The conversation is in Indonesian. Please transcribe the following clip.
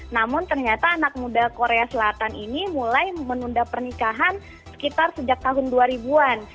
namun ternyata anak muda korea selatan ini mulai menunda pernikahan sekitar sejak tahun dua ribu an